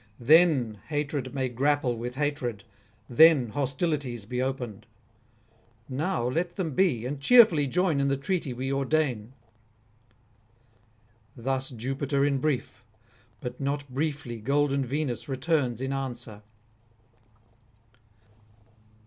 Then hatred may grapple with hatred, then hostilities be opened; now let them be, and cheerfully join in the treaty we ordain.' Thus Jupiter in brief; but not briefly golden Venus returns in answer